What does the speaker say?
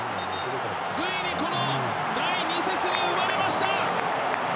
ついにこの第２節に生まれました！